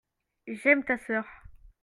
j'aime ta sœur.